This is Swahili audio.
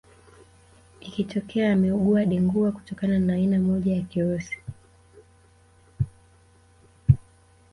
Ikitokea umeugua Dengua kutokana na aina moja ya kirusi